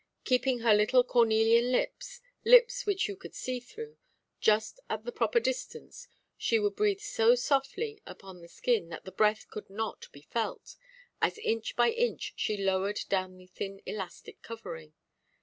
Keeping her little cornelian lips—lips which you could see through—just at the proper distance, she would breathe so softly upon the skin that the breath could not be felt, as inch by inch she lowered down the thin elastic covering.